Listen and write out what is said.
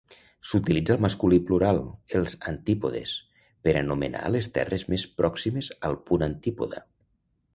S'utilitza el masculí plural, els antípodes, per anomenar les terres més pròximes al punt antípoda.